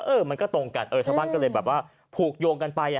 มันก็ตรงกันเออชาวบ้านก็เลยแบบว่าผูกโยงกันไป